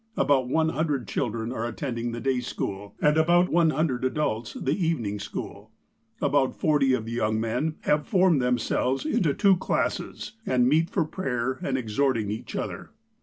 About one hundred children are attending the day school, and one hundred adults the evening school. About forty of the young men have formed themselves into two classes, and meet for prayer and exhorting each other.